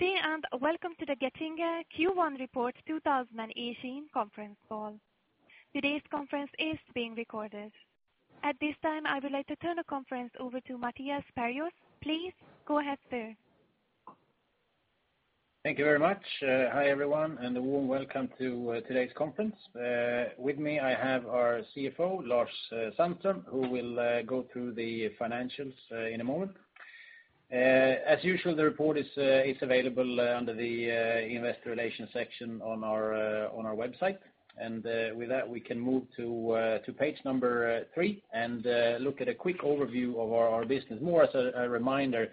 Good day, and welcome to the Getinge Q1 Report 2018 conference call. Today's conference is being recorded. At this time, I would like to turn the conference over to Mattias Perjos. Please go ahead, sir. Thank you very much. Hi, everyone, and a warm welcome to today's conference. With me, I have our CFO, Lars Sandström, who will go through the financials in a moment. As usual, the report is available under the Investor Relations section on our website. And with that, we can move to page number three, and look at a quick overview of our business, more as a reminder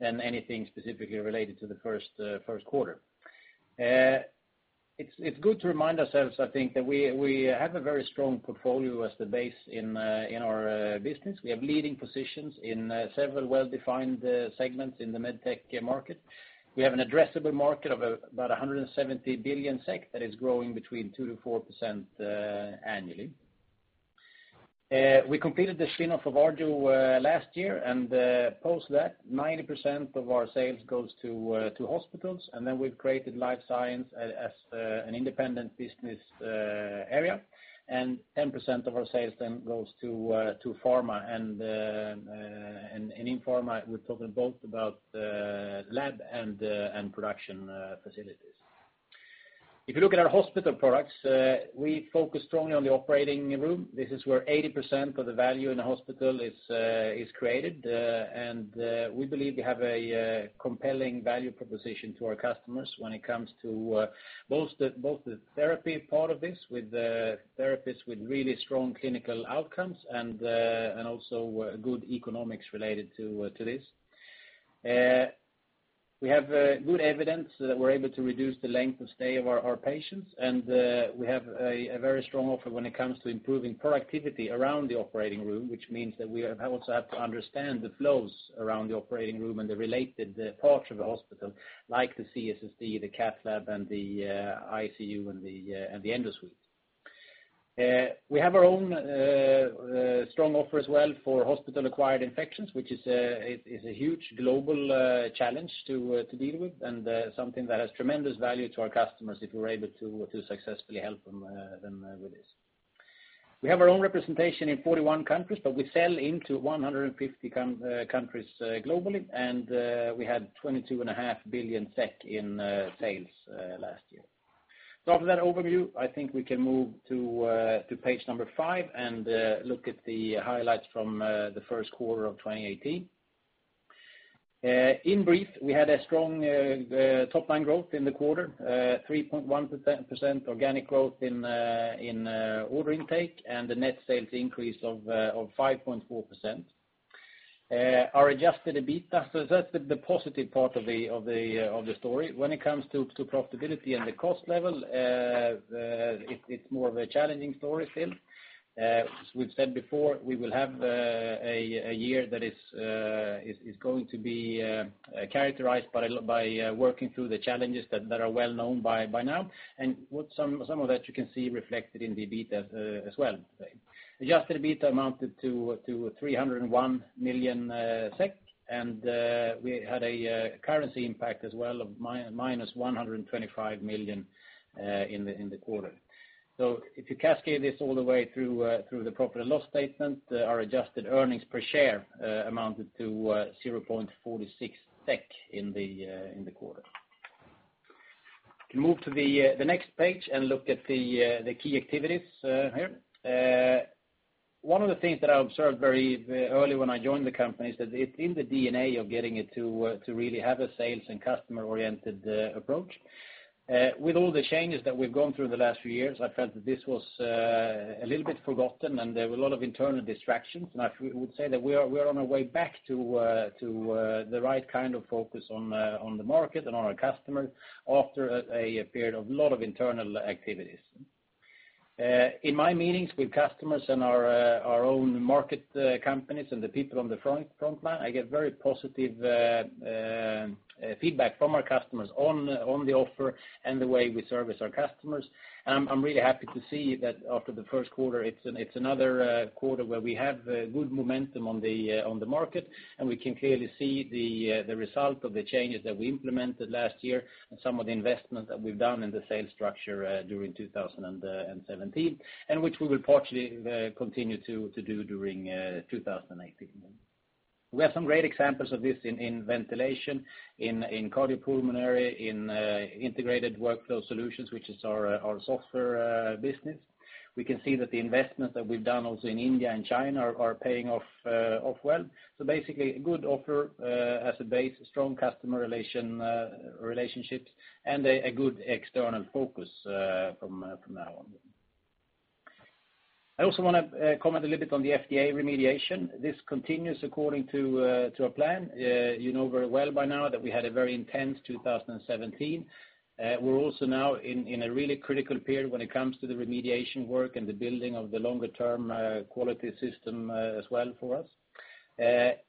than anything specifically related to the first quarter. It's good to remind ourselves, I think, that we have a very strong portfolio as the base in our business. We have leading positions in several well-defined segments in the med tech market. We have an addressable market of about 170 billion SEK that is growing between 2%-4% annually. We completed the spin-off of Arjo last year, and post that, 90% of our sales goes to hospitals, and then we've created Life Science as an independent business area, and 10% of our sales then goes to pharma. And in pharma, we're talking both about lab and production facilities. If you look at our hospital products, we focus strongly on the operating room. This is where 80% of the value in the hospital is created, and we believe we have a compelling value proposition to our customers when it comes to both the, both the therapy part of this, with therapists with really strong clinical outcomes and also good economics related to to this. We have good evidence that we're able to reduce the length of stay of our our patients, and we have a a very strong offer when it comes to improving productivity around the operating room, which means that we also have to understand the flows around the operating room and the related parts of the hospital, like the CSSD, the Cath Lab, and the ICU, and the and the Endo Suite. We have our own strong offer as well for hospital-acquired infections, which is a huge global challenge to deal with, and something that has tremendous value to our customers if we're able to successfully help them with this. We have our own representation in 41 countries, but we sell into 150 countries globally, and we had 22.5 billion SEK in sales last year. So after that overview, I think we can move to page number 5, and look at the highlights from the first quarter of 2018. In brief, we had a strong top-line growth in the quarter, 3.1% organic growth in order intake, and the net sales increase of 5.4%. Our adjusted EBITA, so that's the positive part of the story. When it comes to profitability and the cost level, it's more of a challenging story still. As we've said before, we will have a year that is going to be characterized by working through the challenges that are well known by now, and what some of that you can see reflected in the EBITA as well. Adjusted EBITA amounted to 301 million SEK, and we had a currency impact as well of minus 125 million in the quarter. So if you cascade this all the way through the profit and loss statement, our adjusted earnings per share amounted to 0.46 SEK in the quarter. To move to the next page and look at the key activities here. One of the things that I observed very early when I joined the company is that it's in the DNA of Getinge to really have a sales and customer-oriented approach. With all the changes that we've gone through the last few years, I felt that this was a little bit forgotten, and there were a lot of internal distractions, and I would say that we are, we are on our way back to, to, the right kind of focus on, on the market and on our customers after a period of lot of internal activities. In my meetings with customers and our, our own market, companies and the people on the front, front line, I get very positive, feedback from our customers on, on the offer and the way we service our customers. I'm really happy to see that after the first quarter, it's another quarter where we have good momentum on the market, and we can clearly see the result of the changes that we implemented last year and some of the investment that we've done in the sales structure during 2017, and which we will fortunately continue to do during 2018. We have some great examples of this in ventilation, in cardiopulmonary, in integrated workflow solutions, which is our software business. We can see that the investments that we've done also in India and China are paying off well. So basically, a good offer as a base, strong customer relationships, and a good external focus from now on. I also want to comment a little bit on the FDA remediation. This continues according to a plan. You know very well by now that we had a very intense 2017. We're also now in a really critical period when it comes to the remediation work and the building of the longer-term quality system as well for us.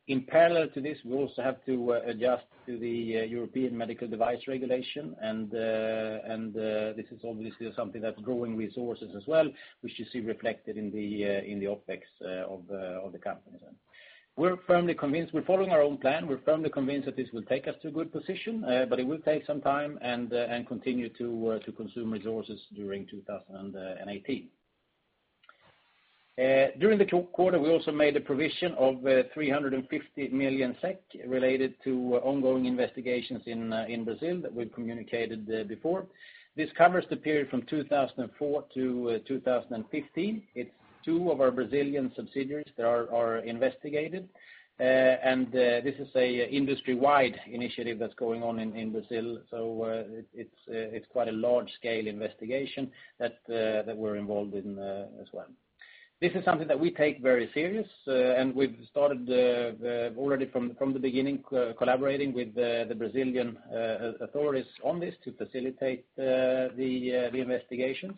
In parallel to this, we also have to adjust to the European Medical Device Regulation, and this is obviously something that's growing resources as well, which you see reflected in the OpEx of the company then. We're firmly convinced we're following our own plan. We're firmly convinced that this will take us to a good position, but it will take some time and continue to consume resources during 2018. During the quarter, we also made a provision of 350 million SEK related to ongoing investigations in Brazil that we've communicated before. This covers the period from 2004 to 2015. It's two of our Brazilian subsidiaries that are investigated, and this is an industry-wide initiative that's going on in Brazil. So, it's quite a large-scale investigation that we're involved in as well. This is something that we take very serious, and we've started already from the beginning, collaborating with the Brazilian authorities on this to facilitate the investigation.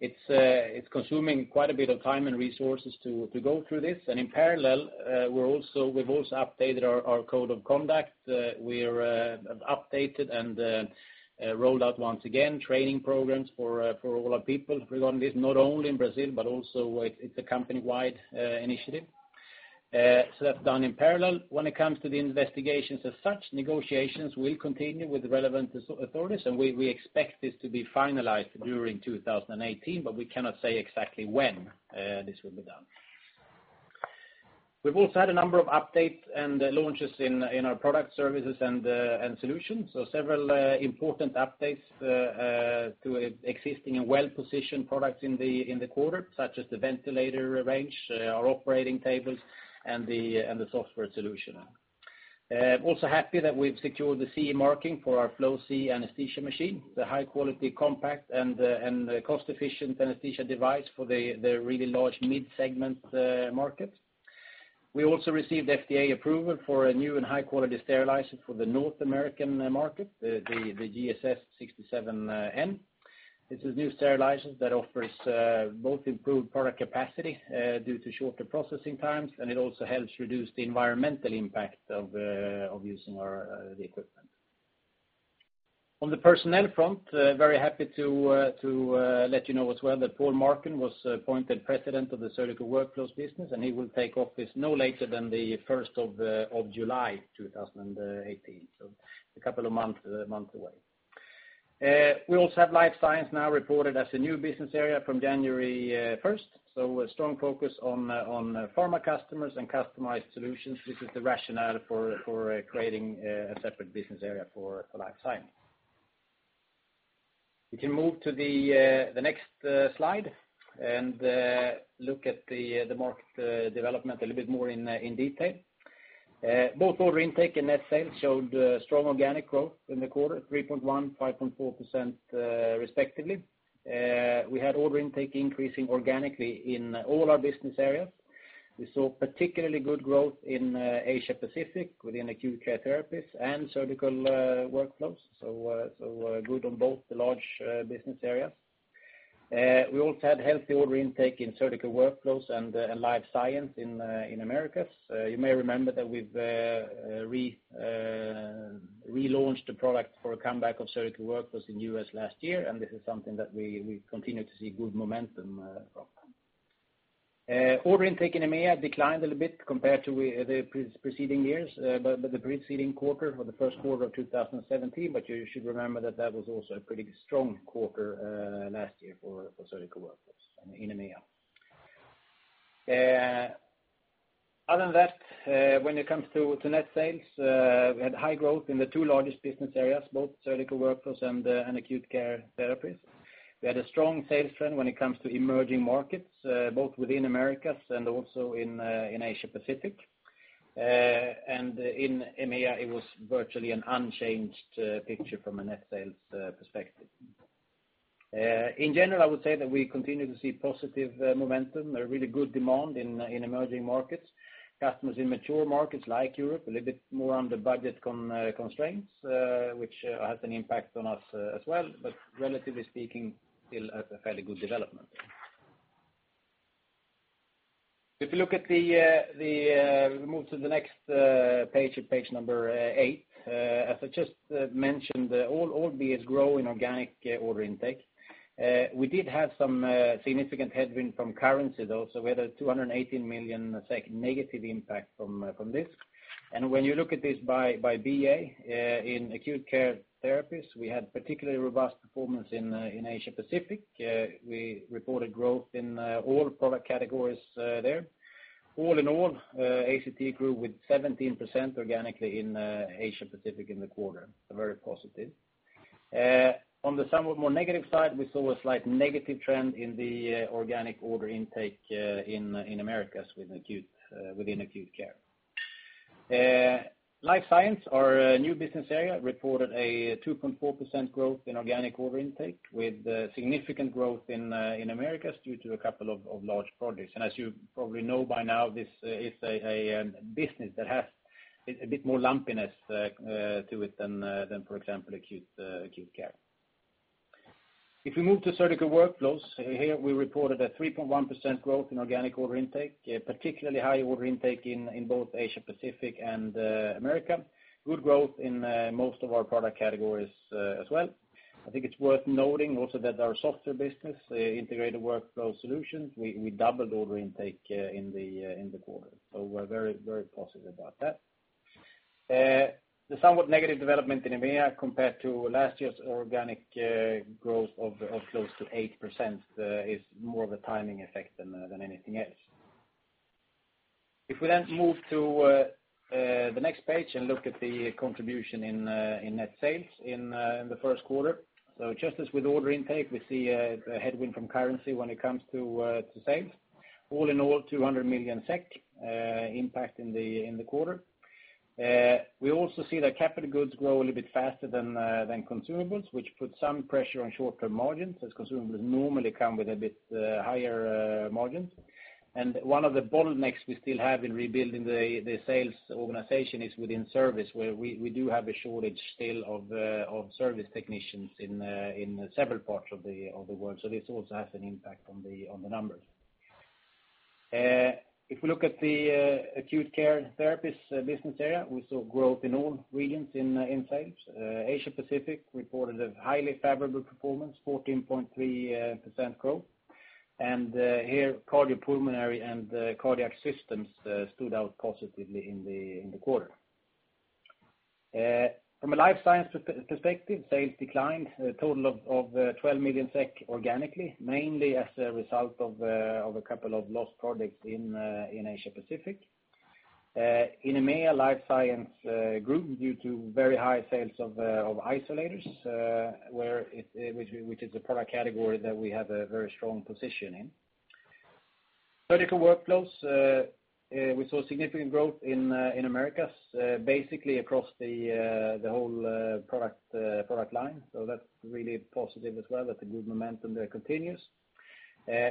It's consuming quite a bit of time and resources to go through this, and in parallel, we're also—we've also updated our code of conduct. We're have updated and rolled out once again training programs for all our people regarding this, not only in Brazil, but also it, it's a company-wide initiative. So that's done in parallel. When it comes to the investigations as such, negotiations will continue with the relevant authorities, and we expect this to be finalized during 2018, but we cannot say exactly when this will be done. We've also had a number of updates and launches in our product services and solutions, so several important updates to existing and well-positioned products in the quarter, such as the ventilator range, our operating tables, and the software solution. Also happy that we've secured the CE marking for our Flow-c anesthesia machine, the high quality, compact, and cost-efficient anesthesia device for the really large mid-segment market. We also received FDA approval for a new and high-quality sterilizer for the North American market, the GSS67N. This is new sterilizer that offers both improved product capacity due to shorter processing times, and it also helps reduce the environmental impact of using our equipment. On the personnel front, very happy to let you know as well that Paul Marcun was appointed president of the Surgical Workflows business, and he will take office no later than the 1st of July 2018, so a couple of months away. We also have Life Science now reported as a new business area from January 1st, so a strong focus on pharma customers and customized solutions. This is the rationale for creating a separate business area for Life Science. We can move to the next slide, and look at the market development a little bit more in detail. Both order intake and net sales showed strong organic growth in the quarter, 3.1%, 5.4%, respectively. We had order intake increasing organically in all our business areas. We saw particularly good growth in Asia Pacific within Acute Care Therapies and Surgical Workflows, so good on both the large business areas. We also had healthy order intake in Surgical Workflows and Life Science in Americas. You may remember that we've relaunched the product for a comeback of Surgical Workflows in U.S. last year, and this is something that we continue to see good momentum from. Order intake in EMEA declined a little bit compared to the preceding quarter for the first quarter of 2017, but you should remember that that was also a pretty strong quarter last year for Surgical Workflows in EMEA. Other than that, when it comes to net sales, we had high growth in the two largest business areas, both Surgical Workflows and Acute Care Therapies. We had a strong sales trend when it comes to emerging markets, both within Americas and also in Asia Pacific. And in EMEA, it was virtually an unchanged picture from a net sales perspective. In general, I would say that we continue to see positive momentum, a really good demand in emerging markets. Customers in mature markets like Europe, a little bit more under budget constraints, which has an impact on us as well, but relatively speaking, still at a fairly good development. If you look at the... Move to the next page, page number eight, as I just mentioned, all BAs grow in organic order intake. We did have some significant headwind from currency, though, so we had a 218 million negative impact from this. And when you look at this by BA, in Acute Care Therapies, we had particularly robust performance in Asia Pacific. We reported growth in all product categories there. All in all, ACT grew with 17% organically in Asia Pacific in the quarter, very positive. On the somewhat more negative side, we saw a slight negative trend in the organic order intake in Americas with acute within Acute Care. Life Science, our new business area, reported a 2.4% growth in organic order intake, with significant growth in Americas due to a couple of large projects. As you probably know by now, this is a business that has a bit more lumpiness to it than, for example, Acute Care... If we move to surgical workflows, here we reported a 3.1% growth in organic order intake, a particularly high order intake in both Asia Pacific and Americas. Good growth in most of our product categories as well. I think it's worth noting also that our software business, the Integrated Workflow Solutions, we doubled order intake in the quarter. We're very, very positive about that. The somewhat negative development in EMEA compared to last year's organic growth of close to 8%, is more of a timing effect than anything else. If we then move to the next page and look at the contribution in net sales in the first quarter. So just as with order intake, we see a headwind from currency when it comes to sales. All in all, 200 million SEK impact in the quarter. We also see that capital goods grow a little bit faster than consumables, which put some pressure on short-term margins, as consumables normally come with a bit higher margins. One of the bottlenecks we still have in rebuilding the sales organization is within service, where we do have a shortage still of service technicians in several parts of the world. So this also has an impact on the numbers. If we look at the acute care therapies business area, we saw growth in all regions in sales. Asia Pacific reported a highly favorable performance, 14.3% growth. And here, cardiopulmonary and cardiac systems stood out positively in the quarter. From a Life Science perspective, sales declined a total of 12 million SEK organically, mainly as a result of a couple of lost products in Asia Pacific. In EMEA, Life Science grew due to very high sales of isolators, which is a product category that we have a very strong position in. Surgical Workflows, we saw significant growth in Americas, basically across the whole product line. So that's really positive as well, that the good momentum there continues.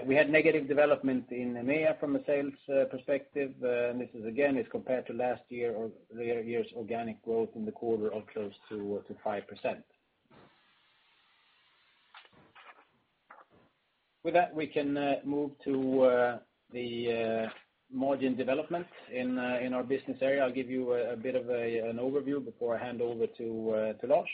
We had negative development in EMEA from a sales perspective. This is again compared to last year's organic growth in the quarter of close to 5%. With that, we can move to the margin development in our business area. I'll give you a bit of an overview before I hand over to Lars.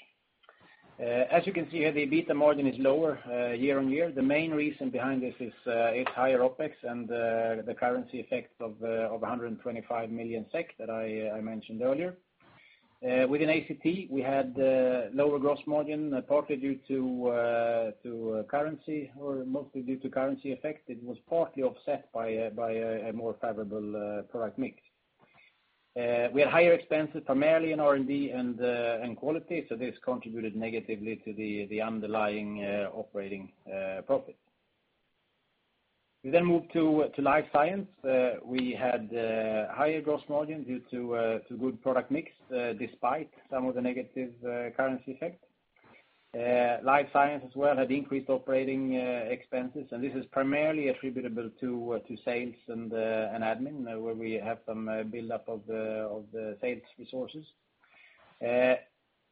As you can see here, the EBITDA margin is lower year-on-year. The main reason behind this is higher OpEx and the currency effect of 125 million SEK that I mentioned earlier. Within ACP, we had lower gross margin, partly due to currency, or mostly due to currency effects. It was partly offset by a more favorable product mix. We had higher expenses, primarily in R&D and quality, so this contributed negatively to the underlying operating profit. We then move to Life Science. We had higher gross margin due to good product mix despite some of the negative currency effects. Life Science as well had increased operating expenses, and this is primarily attributable to sales and admin, where we have some build-up of the sales resources.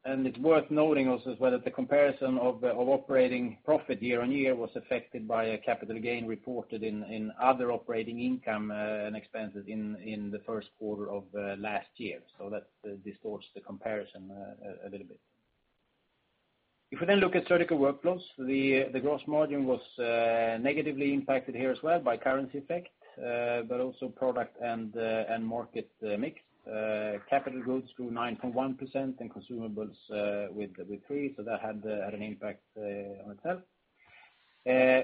And it's worth noting also as well, that the comparison of operating profit year-on-year was affected by a capital gain reported in other operating income and expenses in the first quarter of last year. So that distorts the comparison a little bit. If we then look at Surgical Workflows, the gross margin was negatively impacted here as well by currency effect, but also product and market mix. Capital goods grew 9.1%, and consumables with 3%, so that had an impact on itself.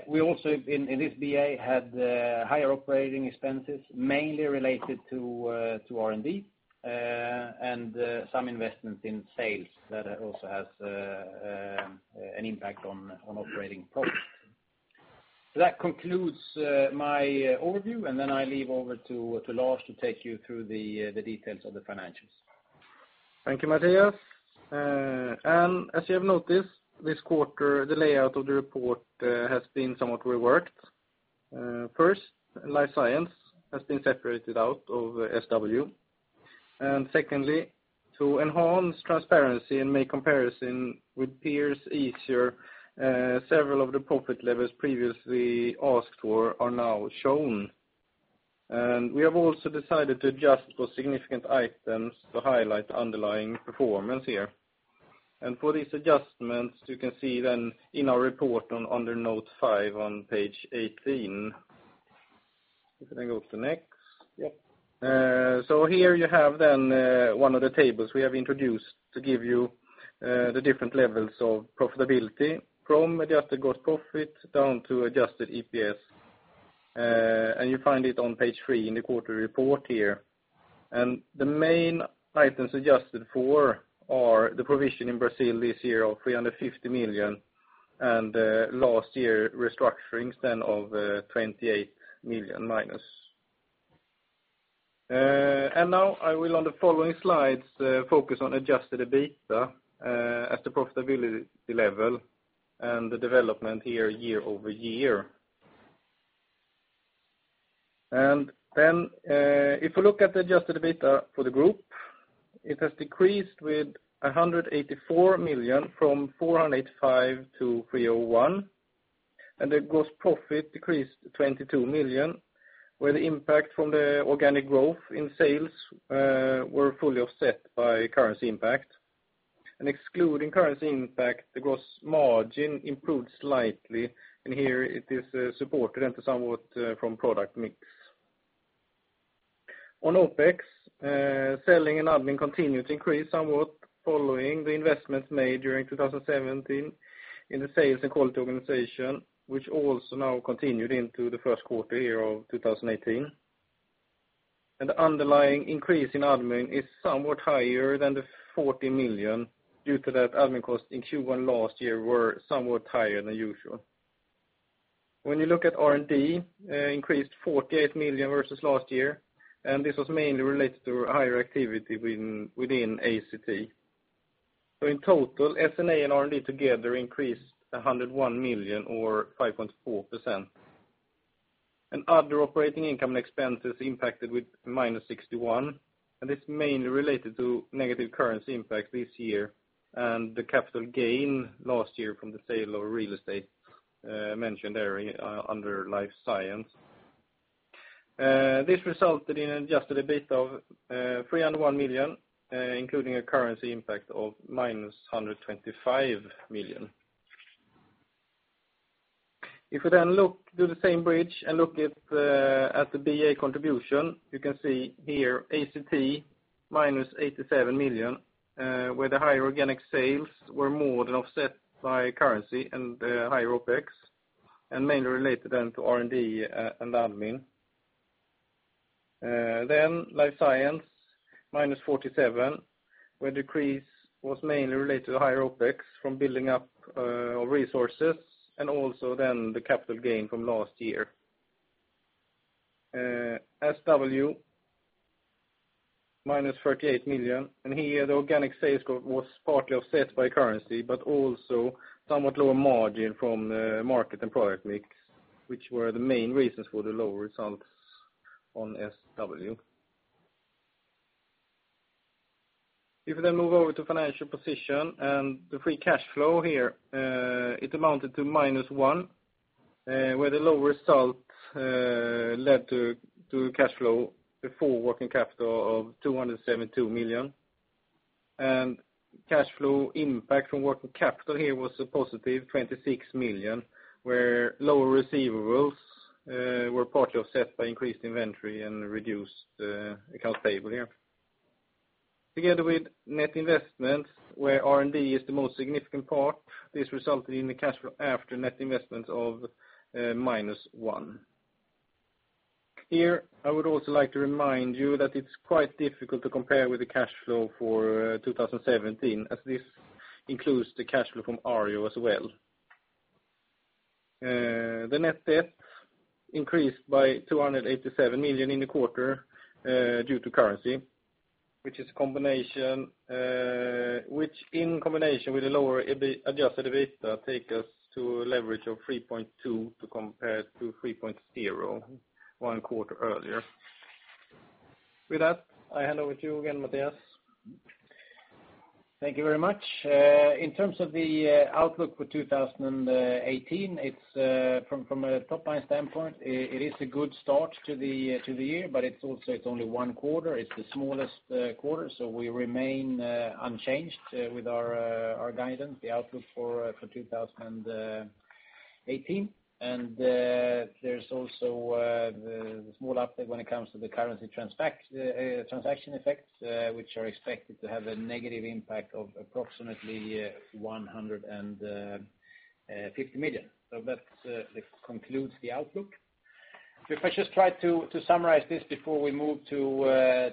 We also in this BA had higher operating expenses, mainly related to R&D and some investments in sales that also has an impact on operating profit. So that concludes my overview, and then I leave over to Lars to take you through the details of the financials. Thank you, Mattias. As you have noticed, this quarter, the layout of the report has been somewhat reworked. First, Life Science has been separated out of SW. Secondly, to enhance transparency and make comparison with peers easier, several of the profit levels previously asked for are now shown. We have also decided to adjust for significant items to highlight underlying performance here. For these adjustments, you can see then in our report under note five on page 18. You can then go to the next. Yep. So here you have then one of the tables we have introduced to give you the different levels of profitability from adjusted gross profit down to Adjusted EPS. You find it on page three in the quarterly report here. The main items adjusted for are the provision in Brazil this year of 350 million, and last year, restructurings then of -28 million. Now I will, on the following slides, focus on Adjusted EBITDA as the profitability level and the development here year-over-year. And then, if you look at the Adjusted EBITDA for the group, it has decreased with 184 million from 485 million to 301 million, and the gross profit decreased 22 million, where the impact from the organic growth in sales were fully offset by currency impact. And excluding currency impact, the gross margin improved slightly, and here it is supported into somewhat from product mix. On OpEx, selling and admin continued to increase somewhat following the investments made during 2017 in the sales and quality organization, which also now continued into the first quarter of 2018. The underlying increase in admin is somewhat higher than the 40 million due to that admin costs in Q1 last year were somewhat higher than usual. When you look at R&D, increased 48 million versus last year, and this was mainly related to higher activity within ACT. So in total, S&A and R&D together increased 101 million or 5.4%. And other operating income and expenses impacted with -61 million, and it's mainly related to negative currency impact this year and the capital gain last year from the sale of real estate, mentioned earlier, under Life Science. This resulted in an adjusted EBITDA of 301 million, including a currency impact of -125 million. If you then look, do the same bridge and look at the BA contribution, you can see here ACT -87 million, where the higher organic sales were more than offset by currency and higher OpEx, and mainly related then to R&D and admin. Then Life Science, -47 million, where decrease was mainly related to higher OpEx from building up our resources and also then the capital gain from last year. SW, -38 million, and here, the organic sales growth was partly offset by currency, but also somewhat lower margin from the market and product mix, which were the main reasons for the lower results on SW. If we then move over to financial position and the free cash flow here, it amounted to -1 million, where the low result led to cash flow before working capital of 272 million. And cash flow impact from working capital here was a positive 26 million, where lower receivables were partly offset by increased inventory and reduced accounts payable here. Together with net investments, where R&D is the most significant part, this resulted in the cash flow after net investments of -1 million. Here, I would also like to remind you that it's quite difficult to compare with the cash flow for 2017, as this includes the cash flow from Arjo as well. The net debt increased by 287 million in the quarter, due to currency, which is a combination, which in combination with the lower adjusted EBITDA, takes us to a leverage of 3.2 to compare to 3.0, one quarter earlier. With that, I hand over to you again, Mattias. Thank you very much. In terms of the outlook for 2018, it's from a top-line standpoint, it is a good start to the year, but it's also only one quarter. It's the smallest quarter, so we remain unchanged with our guidance, the outlook for 2018. And there's also the small update when it comes to the currency transaction effects, which are expected to have a negative impact of approximately 150 million. So that concludes the outlook. If I just try to summarize this before we move to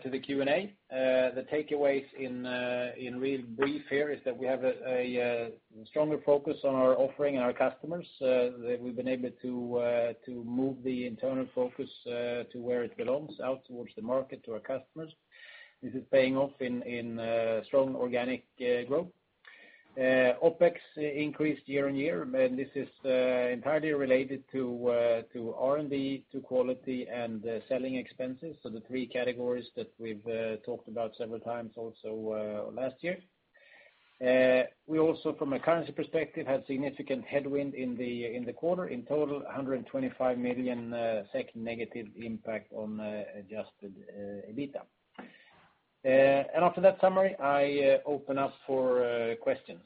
the Q&A, the takeaways in real brief here is that we have a stronger focus on our offering and our customers, that we've been able to move the internal focus to where it belongs, out towards the market, to our customers. This is paying off in strong organic growth. OpEx increased year-on-year, and this is entirely related to R&D, to quality, and selling expenses, so the three categories that we've talked about several times also last year. We also, from a currency perspective, had significant headwind in the quarter. In total, 125 million SEK negative impact on adjusted EBITDA. After that summary, I open up for questions.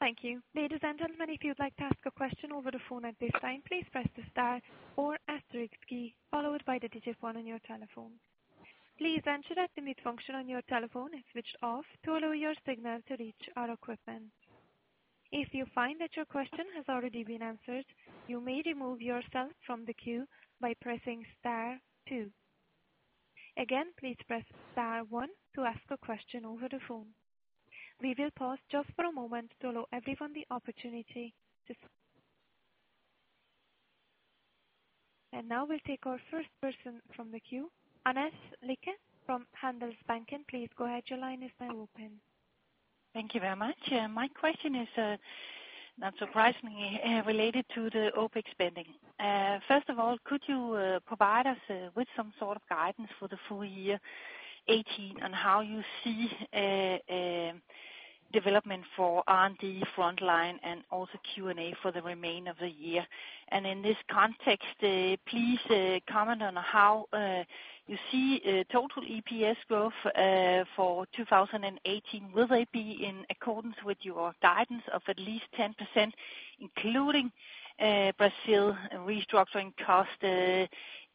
Thank you. Ladies and gentlemen, if you'd like to ask a question over the phone at this time, please press the star or asterisk key followed by the digit one on your telephone. Please ensure that the mute function on your telephone is switched off to allow your signal to reach our equipment. If you find that your question has already been answered, you may remove yourself from the queue by pressing star two. Again, please press star one to ask a question over the phone. We will pause just for a moment to allow everyone the opportunity to- And now we'll take our first person from the queue. Rickard Anderkrans from Handelsbanken, please go ahead. Your line is now open. ...Thank you very much. My question is, not surprisingly, related to the OpEx spending. First of all, could you provide us with some sort of guidance for the full year 2018, on how you see development for R&D frontline and also SG&A for the remainder of the year? And in this context, please comment on how you see total EPS growth for 2018. Will they be in accordance with your guidance of at least 10%, including Brazil restructuring cost,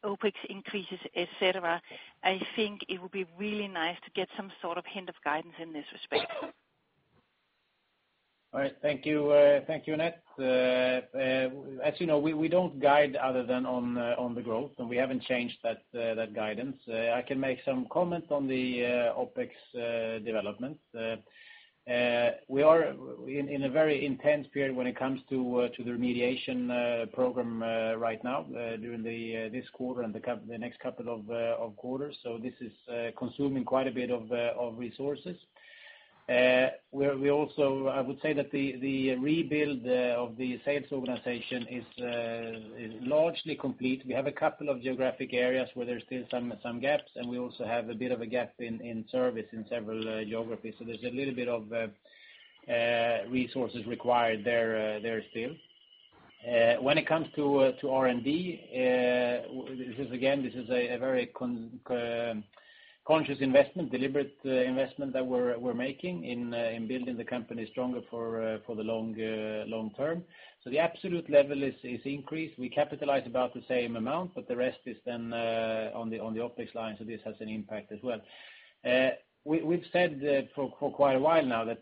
OpEx increases, et cetera? I think it would be really nice to get some sort of hint of guidance in this respect. All right, thank you, thank you, Annette. As you know, we don't guide other than on the growth, and we haven't changed that guidance. I can make some comments on the OpEx development. We are in a very intense period when it comes to the remediation program right now, during this quarter and the next couple of quarters. So this is consuming quite a bit of resources. We also, I would say that the rebuild of the sales organization is largely complete. We have a couple of geographic areas where there's still some gaps, and we also have a bit of a gap in service in several geographies, so there's a little bit of resources required there, there still. When it comes to R&D, this is again a very conscious investment, deliberate investment that we're making in building the company stronger for the long term. So the absolute level is increased. We capitalize about the same amount, but the rest is then on the OpEx line, so this has an impact as well. We, we've said for quite a while now that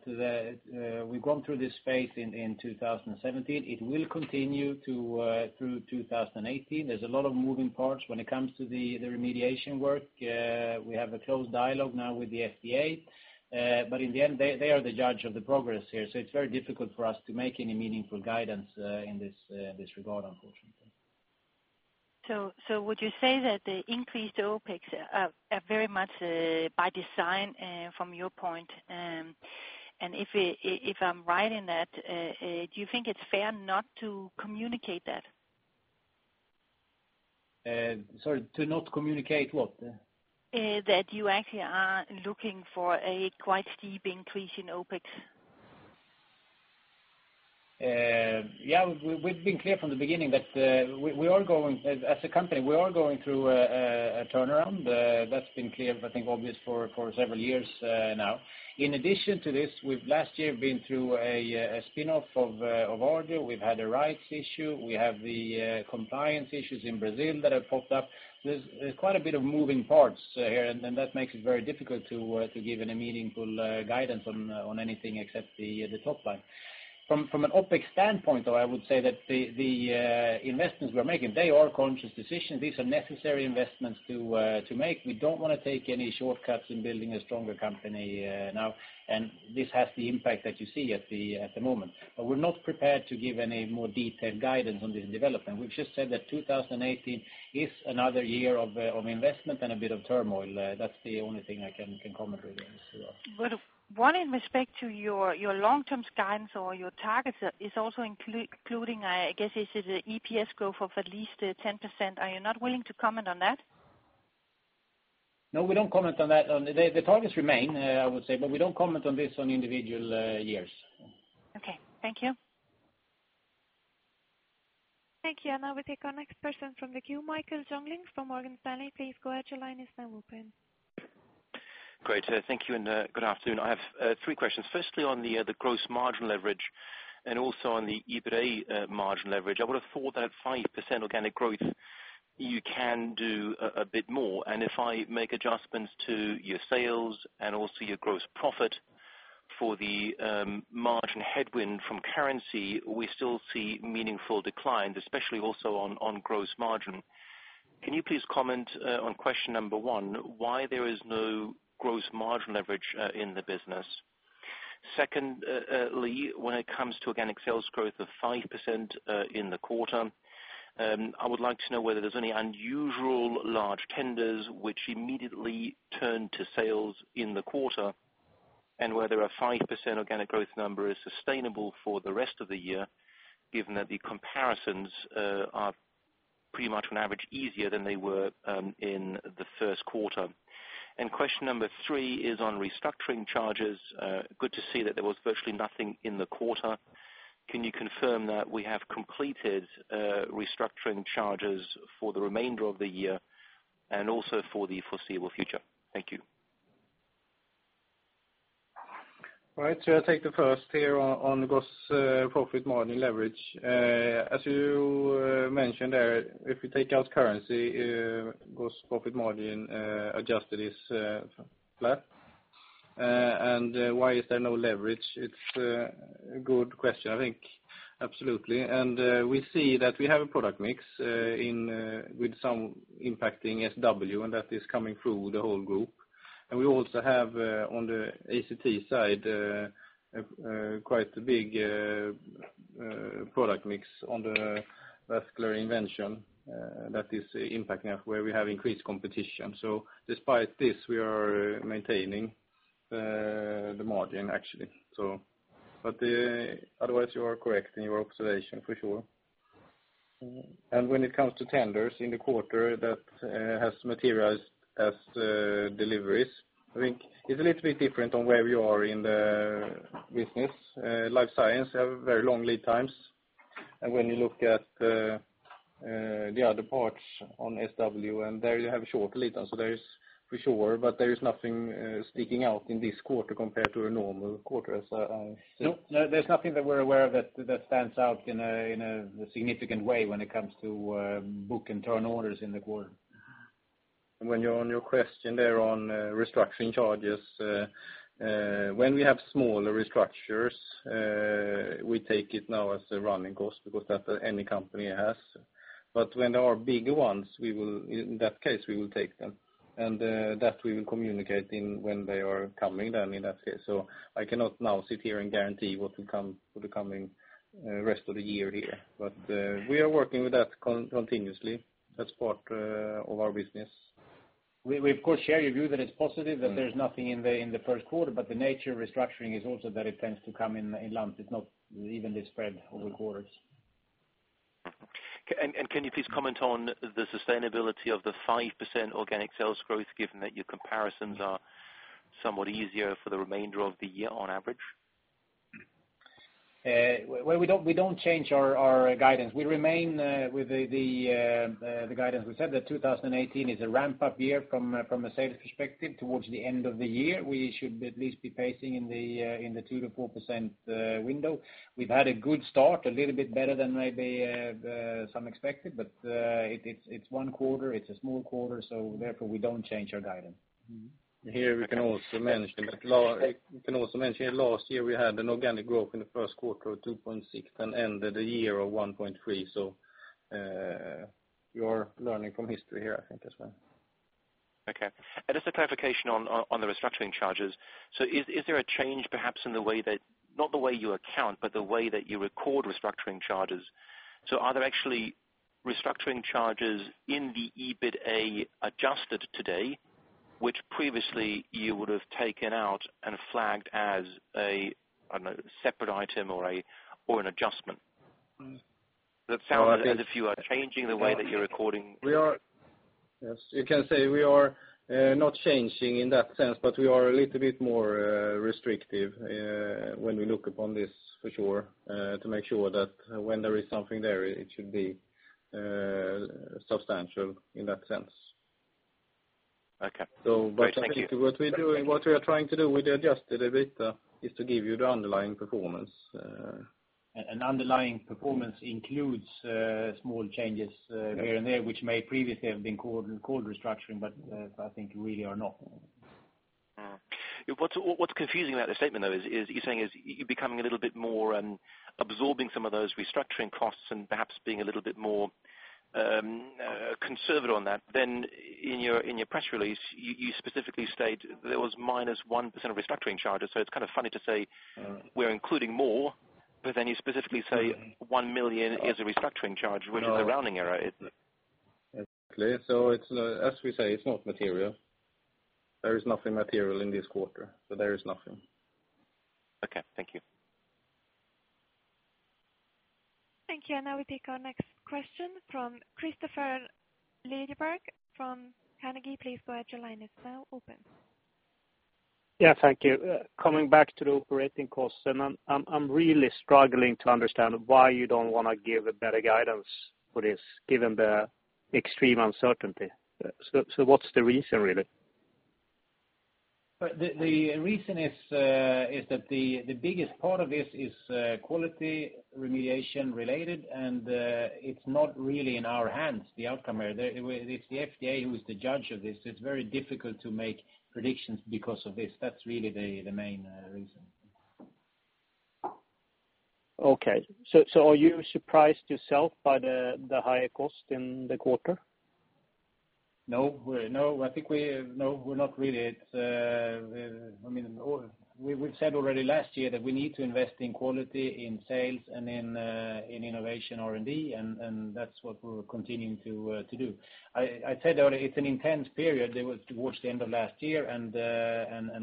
we've gone through this phase in 2017. It will continue to through 2018. There's a lot of moving parts when it comes to the remediation work. We have a close dialogue now with the FDA, but in the end, they are the judge of the progress here, so it's very difficult for us to make any meaningful guidance in this regard, unfortunately. So would you say that the increased OpEx are very much by design from your point? And if I'm right in that, do you think it's fair not to communicate that? Sorry, to not communicate what? that you actually are looking for a quite steep increase in OpEx. Yeah, we've been clear from the beginning that we are going, as a company, we are going through a turnaround. That's been clear, I think, obvious for several years now. In addition to this, we've last year been through a spin-off of Arjo. We've had a rights issue. We have the compliance issues in Brazil that have popped up. There's quite a bit of moving parts here, and then that makes it very difficult to give any meaningful guidance on anything except the top line. From an OpEx standpoint, though, I would say that the investments we're making, they are conscious decisions. These are necessary investments to make. We don't want to take any shortcuts in building a stronger company, now, and this has the impact that you see at the moment. But we're not prepared to give any more detailed guidance on this development. We've just said that 2018 is another year of investment and a bit of turmoil. That's the only thing I can comment on this. One, in respect to your long-term guidance or your targets, is also including, I guess, is it the EPS growth of at least 10%, are you not willing to comment on that? No, we don't comment on that. On the targets remain, I would say, but we don't comment on this on individual years. Okay. Thank you. Thank you, and now we take our next person from the queue, Michael Jüngling from Morgan Stanley. Please go ahead. Your line is now open. Great, thank you, and good afternoon. I have three questions. Firstly, on the gross margin leverage and also on the EBITA margin leverage. I would have thought that 5% organic growth, you can do a bit more, and if I make adjustments to your sales and also your gross profit for the margin headwind from currency, we still see meaningful declines, especially also on gross margin. Can you please comment on question number one, why there is no gross margin leverage in the business? Secondly, when it comes to organic sales growth of 5% in the quarter, I would like to know whether there's any unusual large tenders which immediately turned to sales in the quarter, and whether a 5% organic growth number is sustainable for the rest of the year, given that the comparisons are pretty much on average easier than they were in the first quarter. Question number three is on restructuring charges. Good to see that there was virtually nothing in the quarter. Can you confirm that we have completed restructuring charges for the remainder of the year, and also for the foreseeable future? Thank you. Right, so I'll take the first here on gross profit margin leverage. As you mentioned there, if you take out currency, gross profit margin adjusted is flat. And why is there no leverage? It's a good question, I think, absolutely, and we see that we have a product mix in with some impacting SW, and that is coming through the whole group. And we also have on the ACT side quite a big... product mix on the Vascular Intervention that is impacting us where we have increased competition. So despite this, we are maintaining the margin, actually, so. But otherwise, you are correct in your observation, for sure. And when it comes to tenders in the quarter that has materialized as deliveries, I think it's a little bit different on where we are in the business. Life Science have very long lead times, and when you look at the other parts on SW, and there you have shorter lead time, so there is for sure, but there is nothing sticking out in this quarter compared to a normal quarter, as I said. No, there's nothing that we're aware of that stands out in a significant way when it comes to book and turn orders in the quarter. And when you're on your question there on restructuring charges, when we have smaller restructures, we take it now as a running cost, because that any company has. But when there are bigger ones, we will, in that case, we will take them. And, that we will communicate in when they are coming then in that case. So I cannot now sit here and guarantee what will come for the coming rest of the year here. But, we are working with that continuously. That's part of our business. We of course share your view that it's positive, that there's nothing in the first quarter, but the nature of restructuring is also that it tends to come in lumps. It's not evenly spread over quarters. Okay, and can you please comment on the sustainability of the 5% organic sales growth, given that your comparisons are somewhat easier for the remainder of the year on average? Well, we don't change our guidance. We remain with the guidance. We said that 2018 is a ramp-up year from a sales perspective. Towards the end of the year, we should at least be pacing in the 2%-4% window. We've had a good start, a little bit better than maybe some expected, but it's one quarter, it's a small quarter, so therefore we don't change our guidance. Here, we can also mention that last year, we had an organic growth in the first quarter of 2.6, and ended the year of 1.3. So, you are learning from history here, I think, as well. Okay. And just a clarification on the restructuring charges. So is there a change perhaps in the way that, not the way you account, but the way that you record restructuring charges? So are there actually restructuring charges in the EBITA adjusted today, which previously you would have taken out and flagged as a, I don't know, separate item or an adjustment? That sounds as if you are changing the way that you're recording. We are. Yes, you can say we are not changing in that sense, but we are a little bit more restrictive when we look upon this, for sure, to make sure that when there is something there, it should be substantial in that sense. Okay. So what we're doing, what we are trying to do with the adjusted EBITDA is to give you the underlying performance. Underlying performance includes small changes here and there, which may previously have been called restructuring, but I think really are not. What's confusing about the statement, though, is you're saying you're becoming a little bit more absorbing some of those restructuring costs and perhaps being a little bit more conservative on that. Then in your press release, you specifically state there was -1% of restructuring charges. So it's kind of funny to say, "We're including more," but then you specifically say 1 million is a restructuring charge when it's a rounding error. Exactly. So it's, as we say, it's not material. There is nothing material in this quarter. So there is nothing. Okay, thank you. Thank you. Now we take our next question from Kristofer Liljeberg, from Carnegie. Please go ahead. Your line is now open. Yeah, thank you. Coming back to the operating costs, and I'm really struggling to understand why you don't want to give a better guidance for this, given the extreme uncertainty. So, what's the reason, really? The reason is that the biggest part of this is quality remediation related, and it's not really in our hands, the outcome here. It's the FDA who is the judge of this. It's very difficult to make predictions because of this. That's really the main reason. Okay. So, are you surprised yourself by the higher cost in the quarter? No, we're not really. It's, I mean, we've said already last year that we need to invest in quality, in sales, and in innovation R&D, and that's what we're continuing to do. I said already it's an intense period. It was towards the end of last year and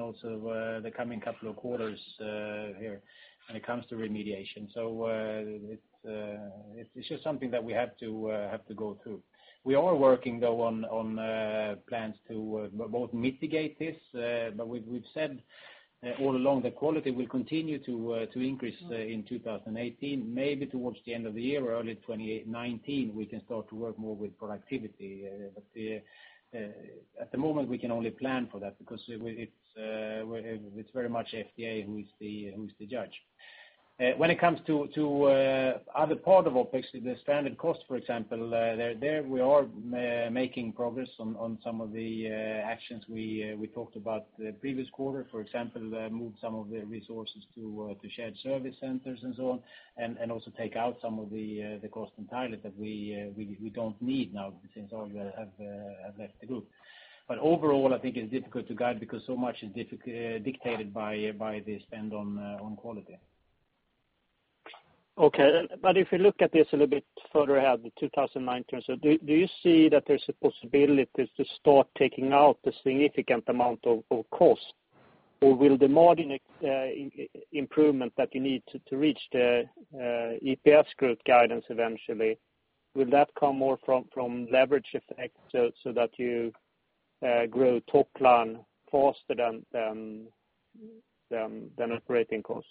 also the coming couple of quarters here when it comes to remediation. So, it's just something that we have to go through. We are working, though, on plans to both mitigate this, but we've said all along that quality will continue to increase in 2018. Maybe towards the end of the year or early 2018, 2019, we can start to work more with productivity. But at the moment, we can only plan for that, because it's very much FDA who is the judge. When it comes to other part of OpEx, the standard cost, for example, there we are making progress on some of the actions we talked about the previous quarter. For example, move some of the resources to shared service centers and so on, and also take out some of the cost entirely that we don't need now, since all have left the group. But overall, I think it's difficult to guide because so much is dictated by the spend on quality.... Okay, but if you look at this a little bit further ahead, 2019, so do you see that there's a possibility to start taking out a significant amount of cost? Or will the margin improvement that you need to reach the EPS growth guidance eventually, will that come more from leverage effect so that you grow top line faster than operating costs?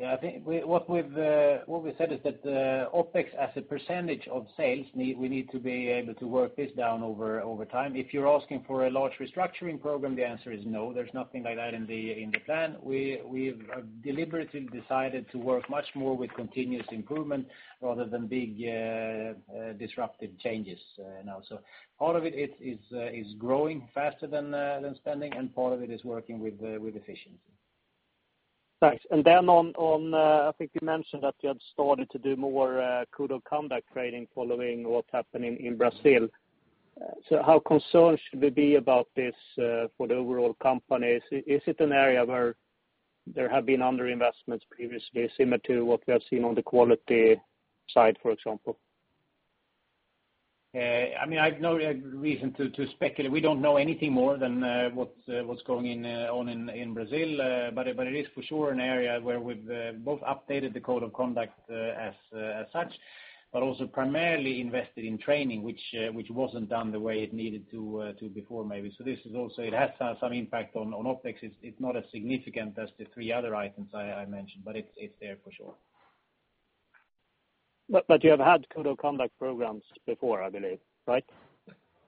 Yeah, I think what we've said is that OpEx as a percentage of sales, we need to be able to work this down over time. If you're asking for a large restructuring program, the answer is no, there's nothing like that in the plan. We've deliberately decided to work much more with continuous improvement rather than big disruptive changes now. So part of it is growing faster than spending, and part of it is working with efficiency. Thanks. And then on, I think you mentioned that you had started to do more Code of Conduct training following what's happening in Brazil. So how concerned should we be about this for the overall company? Is it an area where there have been underinvestments previously, similar to what we have seen on the quality side, for example? I mean, I've no reason to speculate. We don't know anything more than what's going on in Brazil. But it is for sure an area where we've both updated the Code of Conduct as such, but also primarily invested in training, which wasn't done the way it needed to before maybe. So this is also. It has some impact on OpEx. It's not as significant as the three other items I mentioned, but it's there for sure. But you have had code of conduct programs before, I believe, right?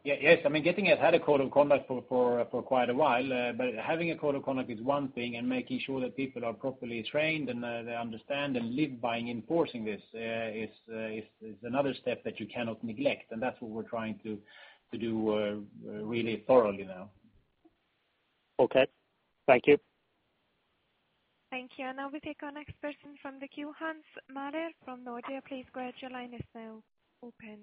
Yeah. Yes, I mean, Getinge has had a code of conduct for quite a while. But having a code of conduct is one thing, and making sure that people are properly trained, and they understand and live by enforcing this is another step that you cannot neglect, and that's what we're trying to do really thoroughly now. Okay. Thank you. Thank you. And now we take our next person from the queue, Hans Mähler from Nordea. Please go ahead, your line is now open.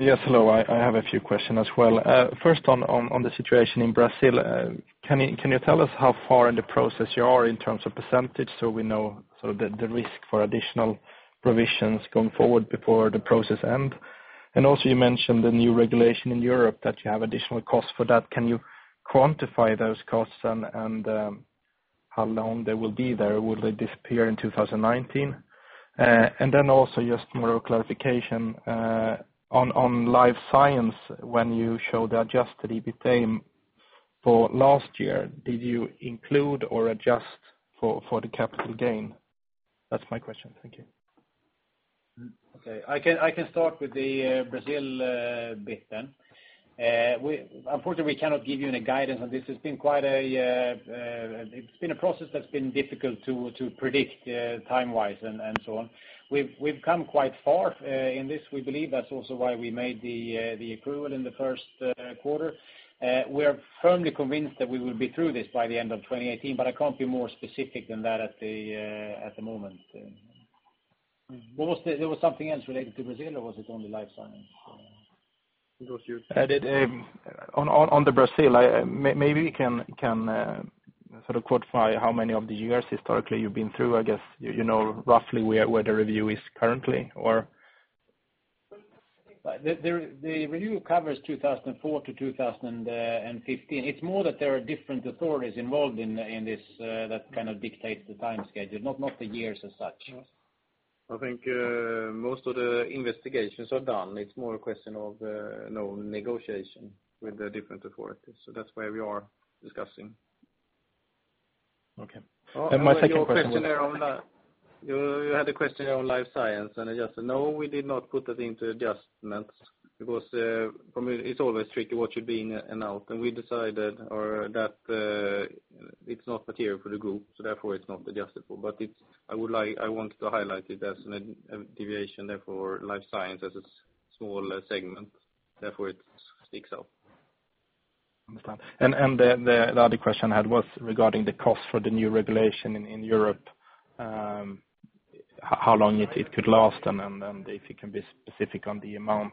Yes, hello. I have a few question as well. First on the situation in Brazil, can you tell us how far in the process you are in terms of percentage, so we know sort of the risk for additional provisions going forward before the process end? And also you mentioned the new regulation in Europe, that you have additional costs for that. Can you quantify those costs and how long they will be there? Will they disappear in two thousand and nineteen? And then also just more clarification on Life Science, when you show the Adjusted EBITA for last year, did you include or adjust for the capital gain? That's my question. Thank you. Okay. I can start with the Brazil bit then. Unfortunately, we cannot give you any guidance on this. It's been quite a process that's been difficult to predict time-wise and so on. We've come quite far in this. We believe that's also why we made the approval in the first quarter. We are firmly convinced that we will be through this by the end of 2018, but I can't be more specific than that at the moment. What was the... There was something else related to Brazil, or was it only Life Science? It was you. On Brazil, maybe you can sort of quantify how many of the years historically you've been through. I guess, you know, roughly where the review is currently, or? The review covers 2004 to 2015. It's more that there are different authorities involved in this that kind of dictates the time schedule, not the years as such. I think, most of the investigations are done. It's more a question of, you know, negotiation with the different authorities. So that's where we are discussing. Okay. And my second question was- You had a question on, you, you had a question on Life Science, and I just... No, we did not put that into adjustments because, for me, it's always tricky what should be in and out, and we decided or that, it's not material for the group, so therefore it's not adjustable. But it's, I would like, I wanted to highlight it as a deviation, therefore, Life Science as a small, segment, therefore it sticks out. Understand. And the other question I had was regarding the cost for the new regulation in Europe, how long it could last, and then if you can be specific on the amount?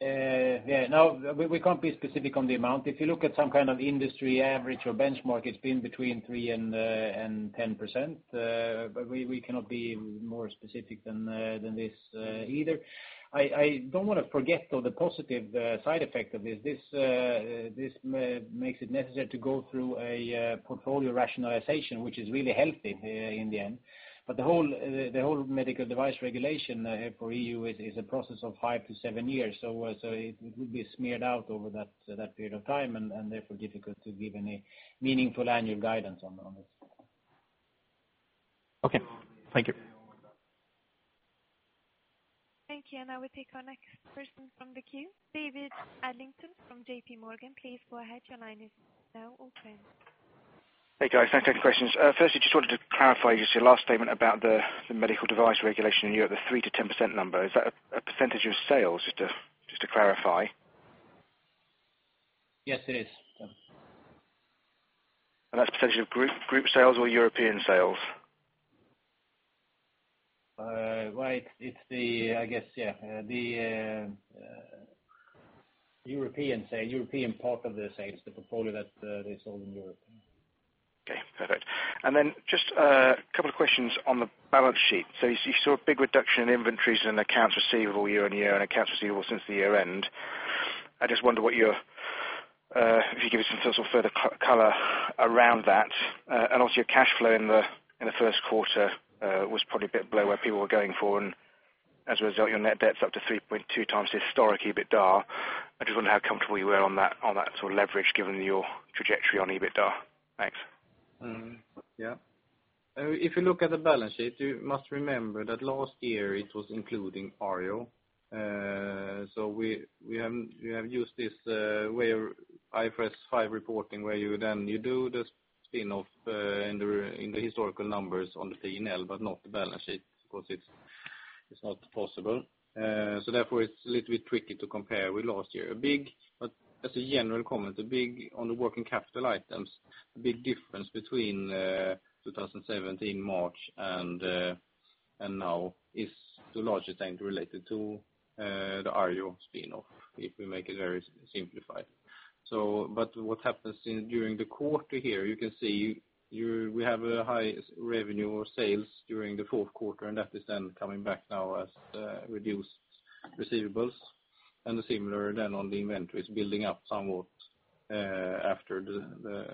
Yeah, no, we can't be specific on the amount. If you look at some kind of industry average or benchmark, it's been between 3%-10%. But we cannot be more specific than this either. I don't want to forget, though, the positive side effect of this. This makes it necessary to go through a portfolio rationalization, which is really healthy in the end. But the whole medical device regulation for EU is a process of five-seven years. So it would be smeared out over that period of time, and therefore difficult to give any meaningful annual guidance on this. Okay. Thank you. Thank you. And now we take our next person from the queue, David Adlington from JPMorgan. Please go ahead, your line is now open. Hey, guys. Thanks, any questions. Firstly, just wanted to clarify just your last statement about the Medical Device Regulation in Europe, the 3%-10% number. Is that a percentage of sales, just to clarify? Yes, it is. That's percentage of group, group sales or European sales?... well, it's, I guess, yeah, the European sale, European part of the sales, the portfolio that they sold in Europe. Okay, perfect. And then just a couple of questions on the balance sheet. So you saw a big reduction in inventories and accounts receivable year-over-year, and accounts receivable since the year end. I just wonder if you could give us some sort of further color around that. And also your cash flow in the first quarter was probably a bit below where people were going for, and as a result, your net debt's up to 3.2 times the historic EBITDA. I just wonder how comfortable you were on that, on that sort of leverage, given your trajectory on EBITDA. Thanks. Mm-hmm. Yeah. If you look at the balance sheet, you must remember that last year it was including Arjo. So we have used this, where IFRS 5 reporting, where you do the spin-off in the historical numbers on the P&L, but not the balance sheet, because it's not possible. So therefore, it's a little bit tricky to compare with last year. But as a general comment, a big difference on the working capital items between 2017 March and now is the largest thing related to the Arjo spin-off, if we make it very simplified. So what happens during the quarter here, you can see, we have a high revenue of sales during the fourth quarter, and that is then coming back now as reduced receivables. And similar then on the inventories, building up somewhat, after the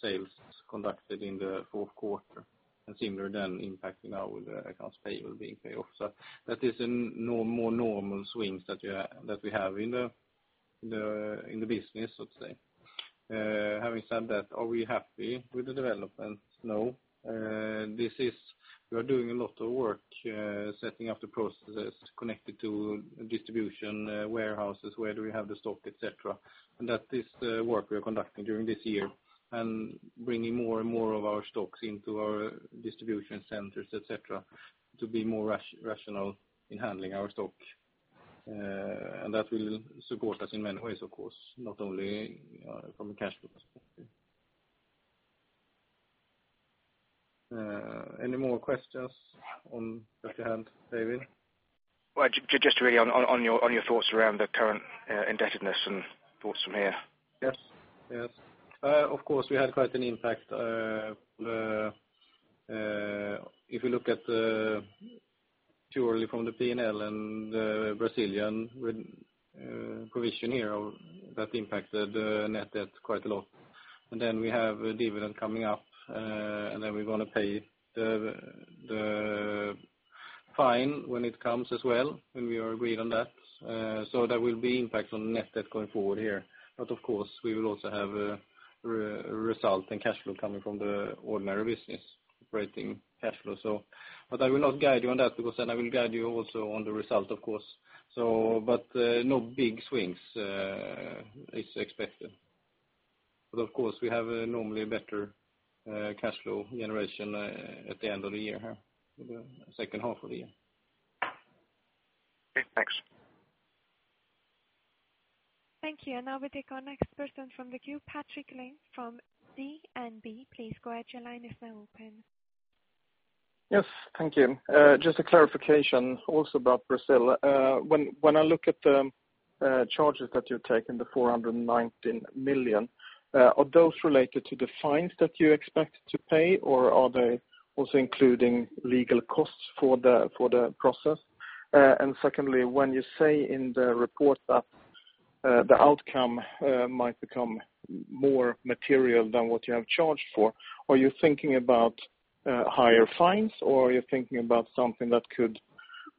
sales conducted in the fourth quarter, and similar then impacting our accounts payable being paid off. So that is a more normal swings that we have in the business, let's say. Having said that, are we happy with the developments? No. This is... We are doing a lot of work, setting up the processes connected to distribution warehouses, where do we have the stock, et cetera. And that is the work we are conducting during this year, and bringing more and more of our stocks into our distribution centers, et cetera, to be more rational in handling our stock. And that will support us in many ways, of course, not only from a cash flow perspective. Any more questions at hand, David? Well, just really on your thoughts around the current indebtedness and thoughts from here. Yes. Yes. Of course, we had quite an impact. If you look at purely from the P&L and Brazilian provision here, that impacted net debt quite a lot. And then we have a dividend coming up, and then we're going to pay the fine when it comes as well, when we are agreed on that. So there will be impact on net debt going forward here. But of course, we will also have a result in cash flow coming from the ordinary business, operating cash flow, so... But I will not guide you on that because then I will guide you also on the result, of course. But no big swings is expected. But of course, we have a normally better cash flow generation at the end of the year, the second half of the year. Okay, thanks. Thank you. Now we take our next person from the queue, Patrik Ling from DNB. Please go ahead, your line is now open. Yes, thank you. Just a clarification also about Brazil. When, when I look at the charges that you're taking, the 419 million, are those related to the fines that you expect to pay, or are they also including legal costs for the, for the process? And secondly, when you say in the report that the outcome might become more material than what you have charged for, are you thinking about higher fines, or are you thinking about something that could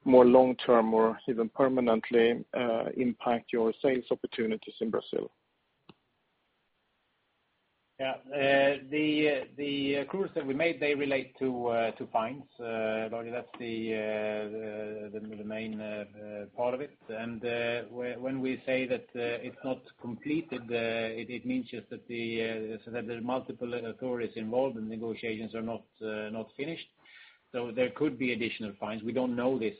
more long-term or even permanently impact your sales opportunities in Brazil? Yeah. The accruals that we made, they relate to fines. That's the main part of it. And when we say that it's not completed, it means just that there are multiple authorities involved, and negotiations are not finished. So there could be additional fines. We don't know this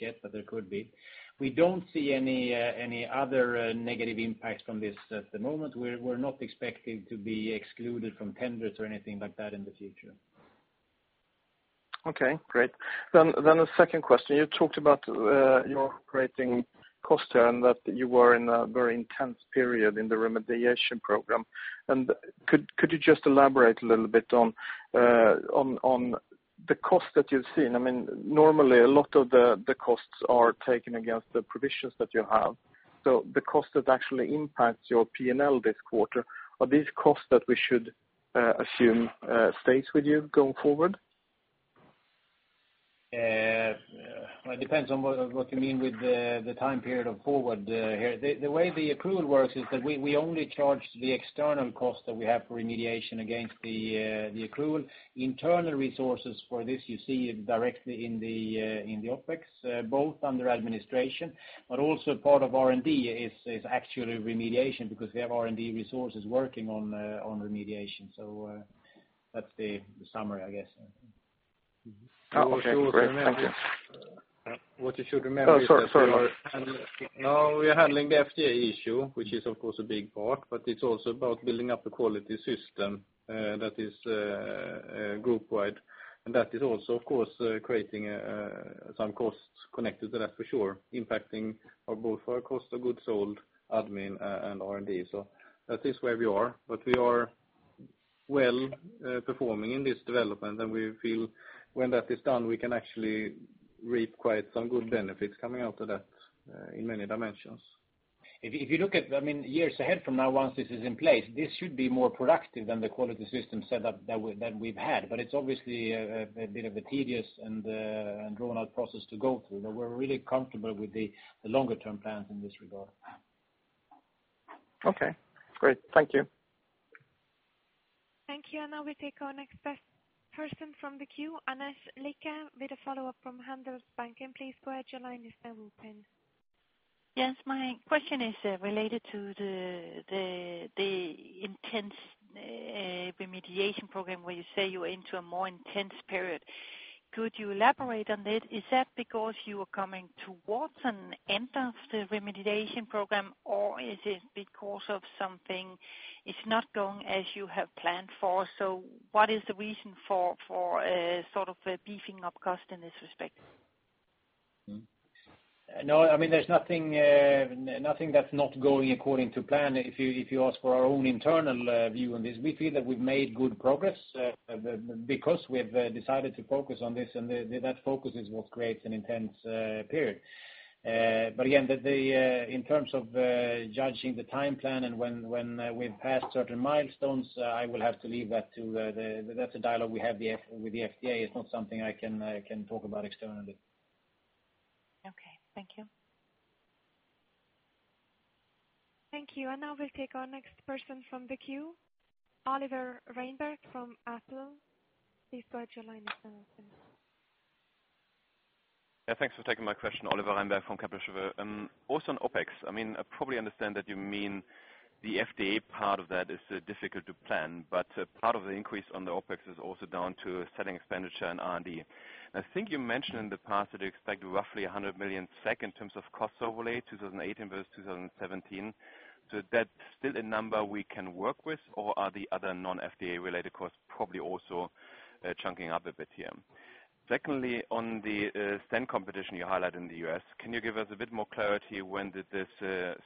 yet, but there could be. We don't see any other negative impacts from this at the moment. We're not expecting to be excluded from tenders or anything like that in the future. Okay, great. Then the second question, you talked about your operating costs here, and that you were in a very intense period in the remediation program. And could you just elaborate a little bit on the cost that you've seen? I mean, normally a lot of the costs are taken against the provisions that you have. So the cost that actually impacts your P&L this quarter, are these costs that we should assume stays with you going forward? Well, it depends on what you mean with the time period of forward here. The way the accrual works is that we only charge the external cost that we have for remediation against the accrual. Internal resources for this, you see it directly in the OpEx, both under administration, but also part of R&D is actually remediation, because we have R&D resources working on remediation. So, that's the summary, I guess. Oh, okay. Great. Thank you.... What you should remember is that- Oh, sorry, sorry. Now we are handling the FDA issue, which is, of course, a big part, but it's also about building up a quality system that is group wide. And that is also, of course, creating some costs connected to that for sure, impacting both our cost of goods sold, admin, and R&D. So that is where we are. But we are well performing in this development, and we feel when that is done, we can actually reap quite some good benefits coming out of that in many dimensions. If you look at, I mean, years ahead from now, once this is in place, this should be more productive than the quality system set up that we've had. But it's obviously a bit of a tedious and drawn-out process to go through. But we're really comfortable with the longer term plans in this regard. Okay, great. Thank you. Thank you. Now we take our next person from the queue, Rickard Anderkrans, with a follow-up from Handelsbanken. Please go ahead. Your line is now open. Yes, my question is related to the intense remediation program, where you say you are into a more intense period. Could you elaborate on this? Is that because you are coming towards an end of the remediation program, or is it because something is not going as you have planned for? So what is the reason for sort of beefing up cost in this respect? No, I mean, there's nothing, nothing that's not going according to plan. If you, if you ask for our own internal view on this, we feel that we've made good progress, because we've decided to focus on this, and that focus is what creates an intense period. But again, in terms of judging the time plan and when, when we've passed certain milestones, I will have to leave that to the... That's a dialogue we have with the FDA. It's not something I can, can talk about externally. Okay, thank you. Thank you. Now we'll take our next person from the queue. Oliver Reinberg from Kepler Cheuvreux. Please go ahead, your line is now open. Yeah, thanks for taking my question. Oliver Reinberg from Kepler Cheuvreux. Also on OpEx, I mean, I probably understand that you mean the FDA part of that is difficult to plan, but part of the increase on the OpEx is also down to selling expenditure and R&D. I think you mentioned in the past that you expect roughly 100 million SEK in terms of cost overlay, 2018 versus 2017. So is that still a number we can work with, or are the other non-FDA-related costs probably also chunking up a bit here? Secondly, on the stent competition you highlight in the US, can you give us a bit more clarity when did this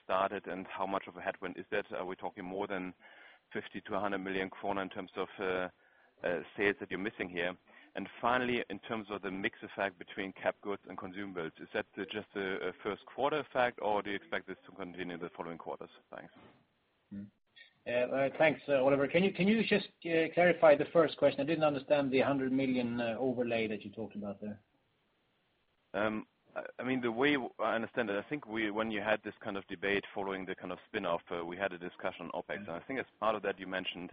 started, and how much of a headwind is that? Are we talking more than 50 million-100 million kronor in terms of sales that you're missing here? And finally, in terms of the mix effect between cap goods and consumables, is that just a first quarter effect, or do you expect this to continue the following quarters? Thanks. Thanks, Oliver. Can you just clarify the first question? I didn't understand the 100 million overlay that you talked about there. I mean, the way I understand it, I think we, when you had this kind of debate following the kind of spin-off, we had a discussion on OpEx. Mm. And I think as part of that, you mentioned,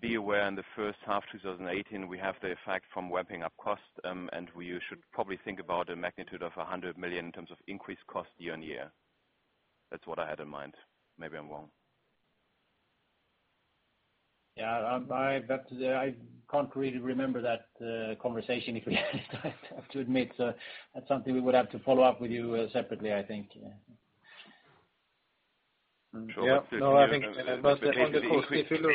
"Be aware, in the first half 2018, we have the effect from ramping up costs, and we should probably think about a magnitude of 100 million in terms of increased cost year-on-year." That's what I had in mind. Maybe I'm wrong. Yeah, but I can't really remember that conversation, if I have to admit. So that's something we would have to follow up with you separately, I think, yeah. Sure. Yeah. No, I think, but if you look-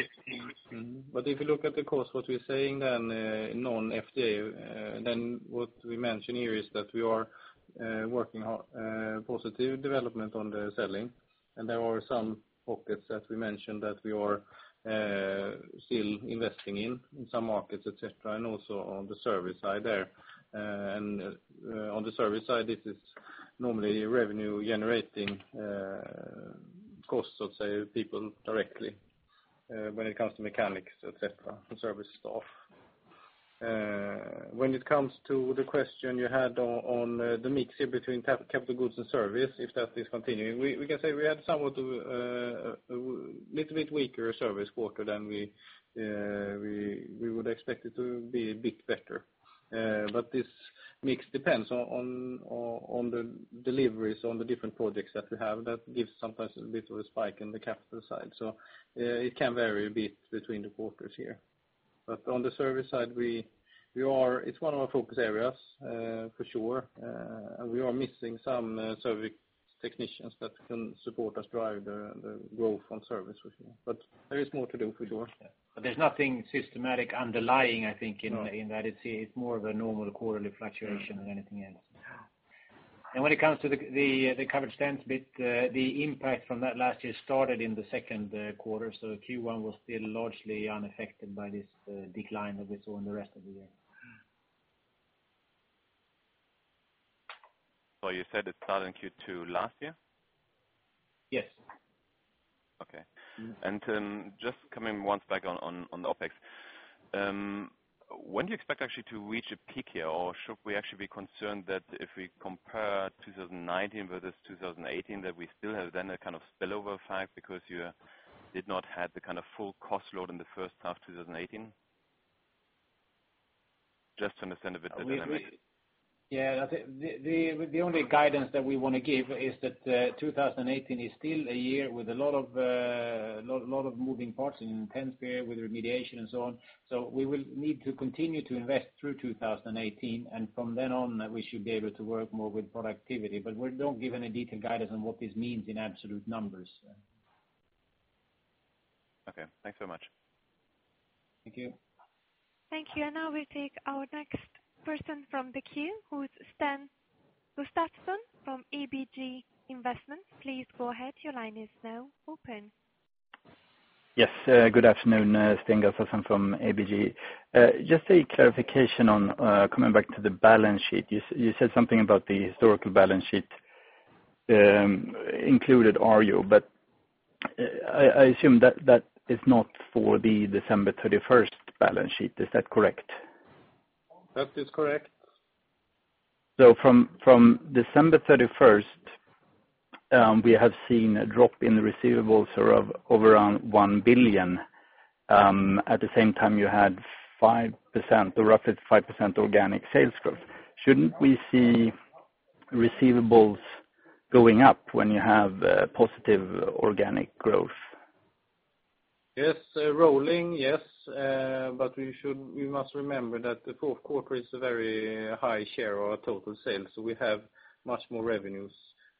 Mm-hmm. But if you look at the cost, what we're saying then, non-FDA, then what we mention here is that we are working on positive development on the selling. And there are some pockets that we mentioned that we are still investing in, in some markets, et cetera, and also on the service side there. And on the service side, this is normally revenue generating costs, let's say, people directly, when it comes to mechanics, et cetera, and service staff. When it comes to the question you had on the mix between capital goods and service, if that is continuing, we can say we had somewhat a little bit weaker service quarter than we would expect it to be a bit better. But this mix depends on the deliveries, on the different projects that we have. That gives sometimes a bit of a spike in the capital side. So, it can vary a bit between the quarters here. But on the service side, we are... It's one of our focus areas, for sure. And we are missing some service technicians that can support us drive the growth on service with you. But there is more to do, for sure. But there's nothing systematic underlying, I think, in- No... in that. It's, it's more of a normal quarterly fluctuation than anything else. Yeah. When it comes to the covered stents bit, the impact from that last year started in the second quarter. Q1 was still largely unaffected by this decline that we saw in the rest of the year. You said it started in Q2 last year? Yes. Okay. Mm-hmm. Just coming back once on the OpEx, when do you expect actually to reach a peak here? Or should we actually be concerned that if we compare 2019 versus 2018, that we still have then a kind of spillover effect because you did not have the kind of full cost load in the first half of 2018? Just to understand a bit the dynamic. Yeah, I think the only guidance that we want to give is that 2018 is still a year with a lot of moving parts, intense period with remediation and so on. So we will need to continue to invest through 2018, and from then on, we should be able to work more with productivity. But we don't give any detailed guidance on what this means in absolute numbers.... Okay, thanks so much. Thank you. Thank you, and now we'll take our next person from the queue, who is Sten Gustafsson from ABG Sundal Collier. Please go ahead. Your line is now open. Yes, good afternoon, Sten Gustafsson from ABG. Just a clarification on coming back to the balance sheet. You said something about the historical balance sheet included Arjo, but I assume that that is not for the December thirty-first balance sheet. Is that correct? That is correct. So from December thirty-first, we have seen a drop in the receivables of around 1 billion. At the same time, you had 5%, or roughly 5% organic sales growth. Shouldn't we see receivables going up when you have positive organic growth? Yes, rolling, yes. But we should, we must remember that the fourth quarter is a very high share of our total sales, so we have much more revenues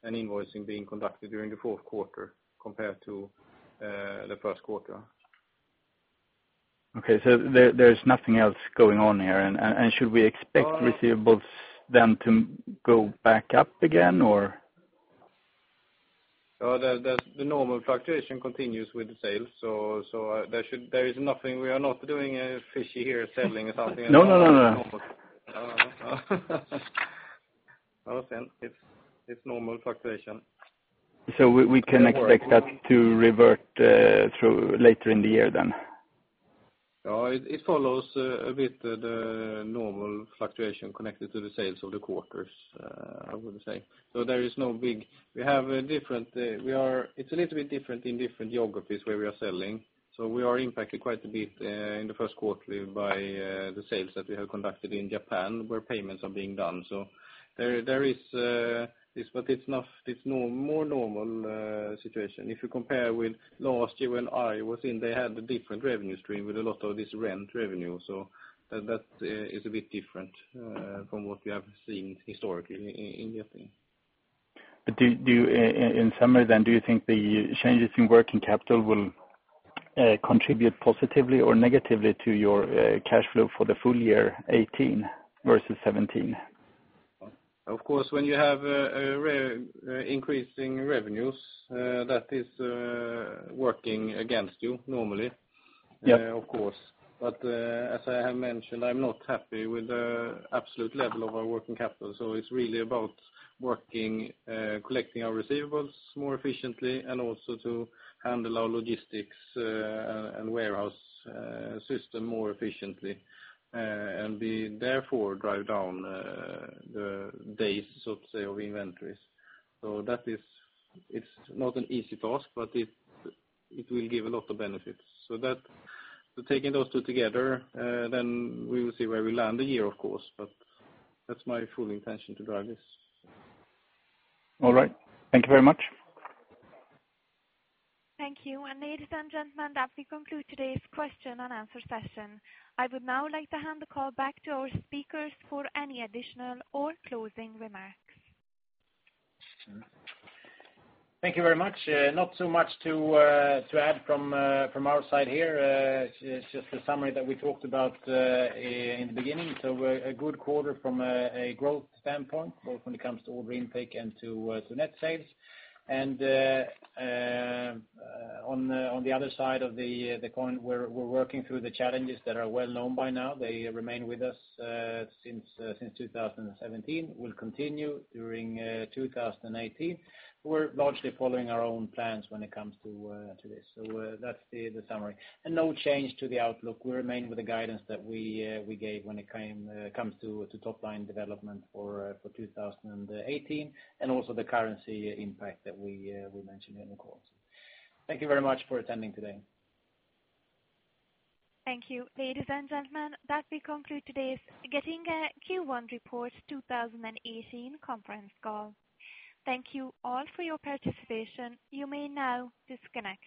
and invoicing being conducted during the fourth quarter compared to the first quarter. Okay, so there's nothing else going on here? And should we expect- No. receivables then to go back up again, or? The normal fluctuation continues with the sales, so there should—there is nothing. We are not doing fishy here, selling or something. No, no, no, no, no. I understand. It's, it's normal fluctuation. So we can expect that to revert through later in the year then? It follows with the normal fluctuation connected to the sales of the quarters, I would say. So there is no big... We have a different, we are— It's a little bit different in different geographies where we are selling. So we are impacted quite a bit in the first quarter by the sales that we have conducted in Japan, where payments are being done. So there is this, but it's not, it's more normal situation. If you compare with last year when I was in, they had a different revenue stream with a lot of this rent revenue. So that is a bit different from what we have seen historically in Japan. In summary then, do you think the changes in working capital will contribute positively or negatively to your cash flow for the full year 2018 versus 2017? Of course, when you have increasing revenues, that is working against you normally. Yeah. Of course. But, as I have mentioned, I'm not happy with the absolute level of our working capital, so it's really about working, collecting our receivables more efficiently and also to handle our logistics, and warehouse system more efficiently, and we therefore drive down the days, so to say, of inventories. So that, taking those two together, then we will see where we land the year, of course, but that's my full intention to drive this. All right. Thank you very much. Thank you. Ladies and gentlemen, that concludes today's question and answer session. I would now like to hand the call back to our speakers for any additional or closing remarks. Thank you very much. Not so much to add from our side here. It's just a summary that we talked about in the beginning. So a good quarter from a growth standpoint, both when it comes to order intake and to net sales. And on the other side of the coin, we're working through the challenges that are well known by now. They remain with us since 2017, will continue during 2018. We're largely following our own plans when it comes to this. So that's the summary. And no change to the outlook. We remain with the guidance that we gave when it comes to top line development for 2018, and also the currency impact that we mentioned in the call. Thank you very much for attending today. Thank you. Ladies and gentlemen, that concludes today's Getinge Q1 Report 2018 conference call. Thank you all for your participation. You may now disconnect.